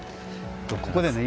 ここでね